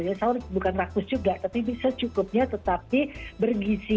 ya saur bukan rakus juga tapi bisa secukupnya tetapi bergisi